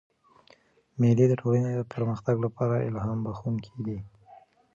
مېلې د ټولني د پرمختګ له پاره الهام بخښونکي دي.